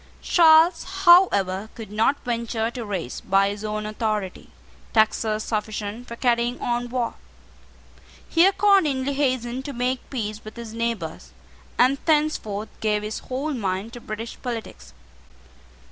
Charles, however, could not venture to raise, by his own authority, taxes sufficient for carrying on war. He accordingly hastened to make peace with his neighbours, and thenceforth gave his whole mind to British politics.